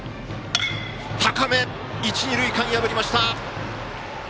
一塁二塁間破りました。